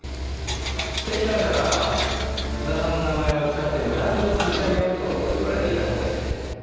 関さんから津田さんの名前を使ってブランドを立ち上げようと言われていたそうですね。